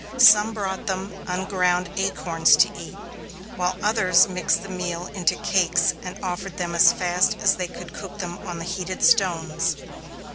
Some brought them unground acorns to eat, while others mixed the meal into cakes and offered them as fast as they could cook them on the heated stones.